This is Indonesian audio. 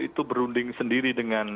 itu berunding sendiri dengan